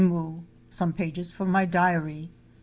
SOME PAGES FROM MY DIARY.